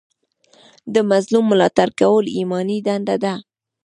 د مظلوم ملاتړ کول ایماني دنده ده.